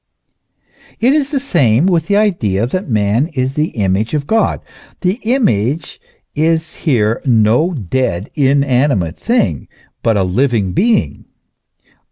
It is the same with the idea that man is the image of God. The image is here no dead, inanimate thing, but a living being.